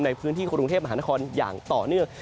ในพื้นที่กรุงเทพมหานครอย่างต่อเนื่อง